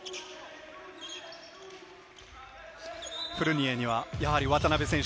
フルニエにはやはり渡邊選手。